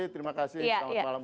terima kasih selamat malam